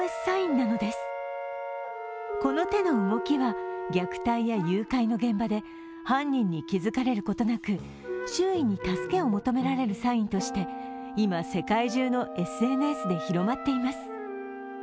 この手の動きは虐待や誘拐の現場で犯人に気付かれることなく周囲に助けを求められるサインとして、今、世界中のＳＮＳで広まっています。